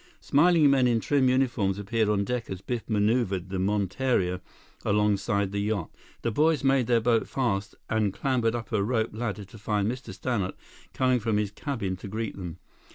Smiling men in trim uniforms appeared on deck as Biff maneuvered the monteria alongside the yacht. The boys made their boat fast and clambered up a rope ladder to find Mr. Stannart coming from his cabin to greet them.